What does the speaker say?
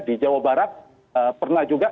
di jawa barat pernah juga